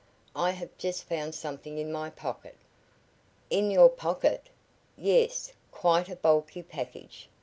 I have just found something in my pocket." "In your pocket?" "Yes, quite a bulky package.